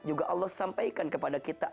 juga allah sampaikan kepada kita